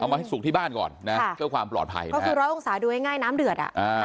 ป์สุดที่บ้านก่อนนะก็ความปลอดภัยละเอาหน่อยงาน้ำเดือดอ่ะ